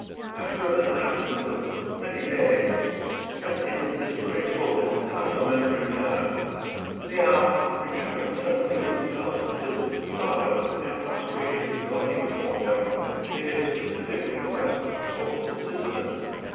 After an absence of many days, spent in this graceful and complimentary manner, Liao returned suddenly to the house of his father, and, prostrating his body before him, made a specific request for his assistance.